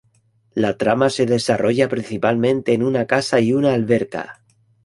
La trama se desarrolla principalmente en una casa y una alberca.